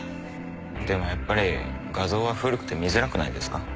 でもやっぱり画像は古くて見づらくないですか？